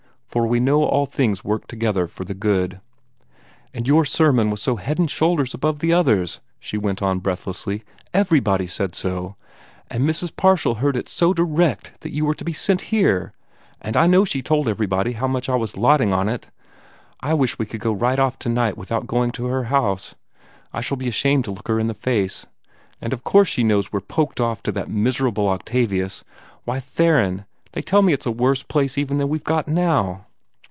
For 'we know that all things work together for good.'" "And your sermon was so head and shoulders above all the others!" she went on breathlessly. "Everybody said so! And Mrs. Parshall heard it so DIRECT that you were to be sent here, and I know she told everybody how much I was lotting on it I wish we could go right off tonight without going to her house I shall be ashamed to look her in the face and of course she knows we're poked off to that miserable Octavius. Why, Theron, they tell me it's a worse place even than we've got now!"